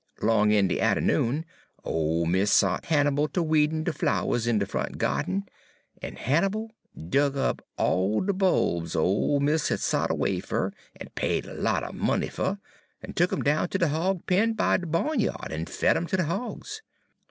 'Long in de atternoon, ole mis' sot Hannibal ter weedin' de flowers in de front gya'den, en Hannibal dug up all de bulbs ole mis' had sont erway fer, en paid a lot er money fer, en tuk 'em down ter de hawg pen by de ba'nya'd, en fed 'em ter de hawgs.